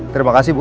terima kasih ibu